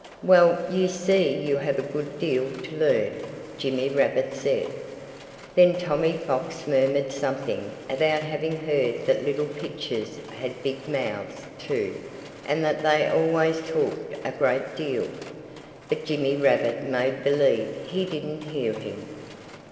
"Well, you see you have a good deal to learn," Jimmy Rabbit said. Then Tommy Fox murmured something about having heard that little pitchers had big mouths, too, and that they always talked a good deal. But Jimmy Rabbit made believe he didn't hear him.